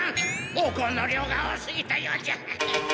おこうの量が多すぎたようじゃ。